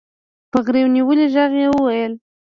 په غريو نيولي ږغ يې وويل.